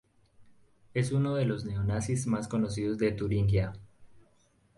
Es uno de los Neo-Nazis más conocidos en Turingia.